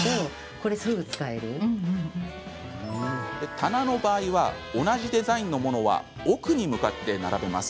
棚の場合は同じデザインのものは奥に向かって並べます。